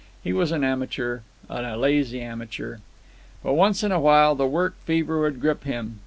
He was an amateur, and a lazy amateur. But once in a while the work fever would grip him.